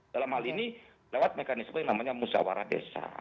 dalam hal ini lewat mekanisme yang namanya musyawarah desa